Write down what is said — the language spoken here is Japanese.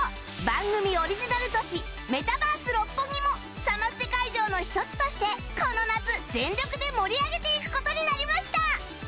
番組オリジナル都市メタバース六本木もサマステ会場の一つとしてこの夏全力で盛り上げていく事になりました！